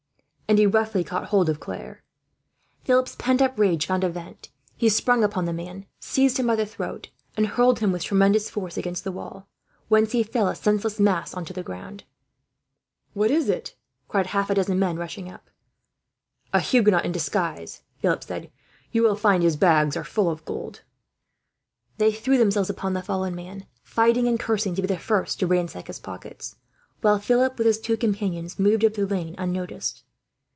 And he roughly caught hold of Claire. Philip's pent up rage found a vent. He sprang upon the man, seized him by the throat, and hurled him with tremendous force against the wall; whence he fell, a senseless mass, on to the ground. "What is it?" cried half a dozen men, rushing up. "A Huguenot in disguise," Philip said. "You will find his pockets are full of gold." They threw themselves upon the fallen man, fighting and cursing to be the first to ransack his pockets; while Philip, with his two companions, moved up the lane unnoticed.